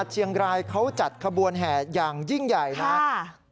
เชียงรายเขาจัดขบวนแห่อย่างยิ่งใหญ่นะครับ